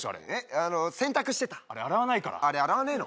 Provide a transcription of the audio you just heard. あの洗濯してたあれ洗わないからあれ洗わねえの？